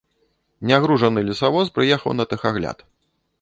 Нягружаны лесавоз прыехаў на тэхагляд.